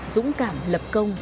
dũng cảm lập công